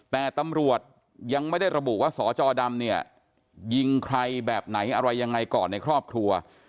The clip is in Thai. แต่ตำรวจยังไม่ได้ระบุว่าสจดำเนี่ยยิงใครแบบไหนอะไรยังไงก่อนในครอบครัว